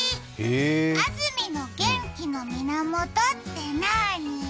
安住の元気の源ってなぁに？